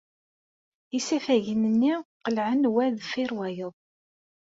Isafagen-nni qelɛen wa deffir wayeḍ.